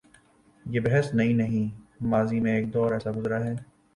یہ بحث نئی نہیں، ماضی میں ایک دور ایسا گزرا ہے۔